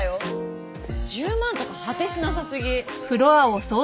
１０万とか果てしなさ過ぎ。